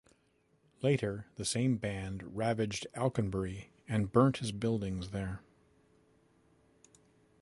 Later the same band ravaged Alconbury, and burnt his buildings there.